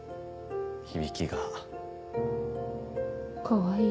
響きがかわいい